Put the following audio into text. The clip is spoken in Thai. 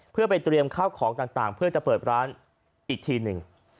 เพื่อไปเตรียมข้าวของต่างเพื่อจะเปิดร้านอีกทีหนึ่ง